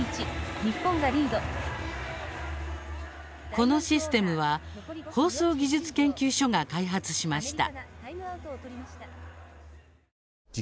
このシステムは放送技術研究所が開発しました。